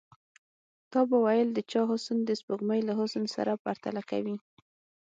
تا به ويل د چا حسن د سپوږمۍ له حسن سره پرتله کوي.